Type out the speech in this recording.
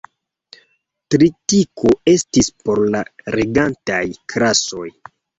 Tritiko estis por la regantaj klasoj.